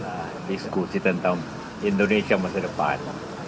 kita diskusi tentang indonesia masa depan